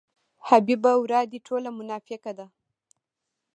حبیبه ورا دې ټوله مناپیکه ده.